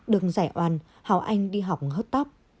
đừng giải oan hảo anh đi học hớt tóc